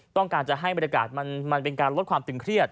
ต้องการจะให้บรรยากาศมันเป็นการลดความตึงเครียด